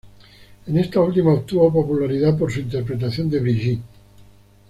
En esta última obtuvo popularidad por su interpretación de "Brigitte".